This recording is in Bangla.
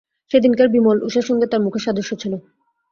সেদিনকার বিমল উষার সঙ্গে তাহার মুখের সাদৃশ্য ছিল।